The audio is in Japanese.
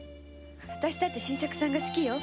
私だって新作さんが好きよ。